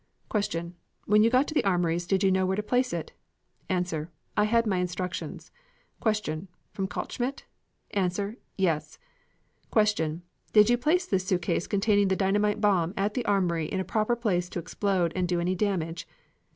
Q. When you got to the Armories did you know where to place it? A. I had my instructions. Q. From Kaltschmidt? A. Yes. Q. Did you place this suitcase containing the dynamite bomb at the armory in a proper place to explode and do any damage?